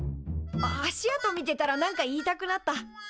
あ足跡見てたら何か言いたくなった。